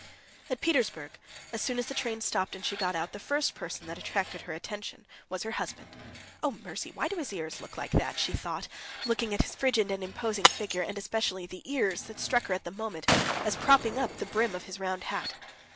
At Petersburg, as soon as the train stopped and she got out, the first person that attracted her attention was her husband. "Oh, mercy! why do his ears look like that?" she thought, looking at his frigid and imposing figure, and especially the ears that struck her at the moment as propping up the brim of his round hat.